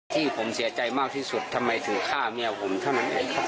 ที่ผมเสียใจมากที่สุดทำไมถึงฆ่าเมียผมเท่านั้นเองครับ